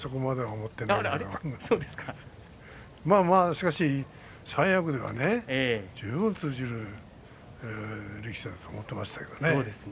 まあまあ、しかし三役ではね十分通じる力士だと思っていましたけどね。